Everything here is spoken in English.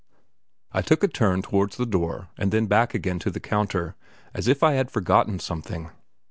I took a turn towards the door and then back again to the counter as if I had forgotten something.